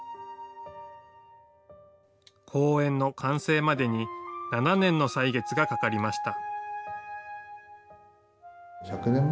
公園の完成までに７年の歳月がかかりました。